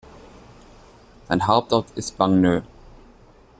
Sein Hauptort ist Bagneux.